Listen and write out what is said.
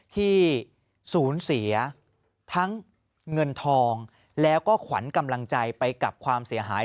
ที่สูญเสียทั้งเงินทองแล้วก็ขวัญกำลังใจไปกับความเสียหาย